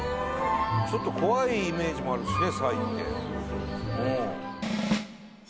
ちょっと怖いイメージもあるしね